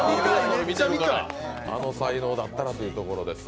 あの才能だったらというとこです。